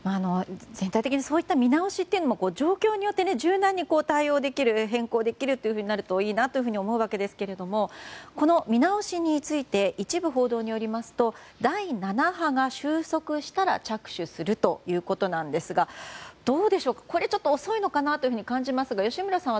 全体的にそういった見直しも状況によって柔軟に対応できる変更できるとなるといいなと思うわけですけどこの見直しについて一部報道によりますと第７波が収束したら着手するということですがどうでしょう、ちょっと遅いのかなと感じますが吉村さん